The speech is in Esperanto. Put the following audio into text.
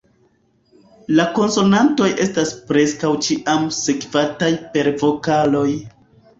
La konsonantoj estas preskaŭ ĉiam sekvataj per vokaloj.